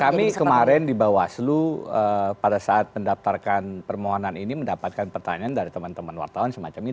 kami kemarin di bawaslu pada saat mendaftarkan permohonan ini mendapatkan pertanyaan dari teman teman wartawan semacam ini